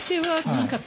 はい。